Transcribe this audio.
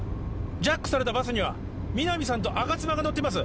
ジャックされたバスには皆実さんと吾妻が乗っています